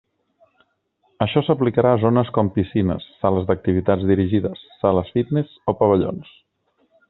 Això s'aplicarà a zones com piscines, sales d'activitats dirigides, sales fitness o pavellons.